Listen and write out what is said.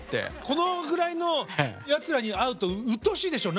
このぐらいのやつらに会うと鬱陶しいでしょ？